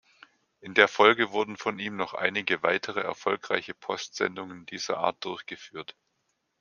In der Folge wurden von ihm noch einige weitere erfolgreiche Postsendungen dieser Art durchgeführt.